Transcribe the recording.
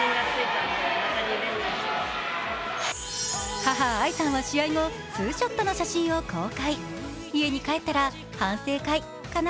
母・愛さんは試合後、ツーショットの写真を公開。